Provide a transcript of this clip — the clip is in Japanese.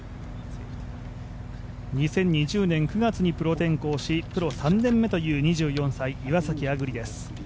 ２０２０年９月にプロ転向しプロ３年目という２４歳岩崎亜久竜です。